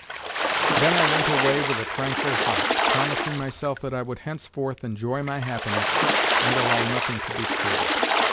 Then I went away with a tranquil heart, promising myself that I would henceforth enjoy my happiness and allow nothing to disturb it.